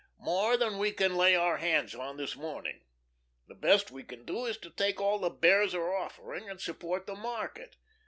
"More than we can lay our hands on this morning. The best we can do is to take all the Bears are offering, and support the market.